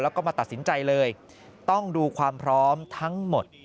แล้วก็มาตัดสินใจเลยต้องดูความพร้อมทั้งหมด